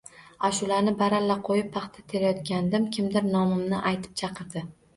Ashulani baralla qoʻyib paxta terayotgandim, kimdir nomimni aytib chaqirdi.